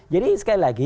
jadi sekali lagi